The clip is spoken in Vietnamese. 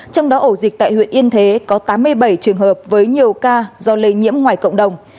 trong đó ổ dịch tại huyện yên thế có tám mươi bảy trường hợp với nhiều ca do lây nhiễm ngoài cộng đồng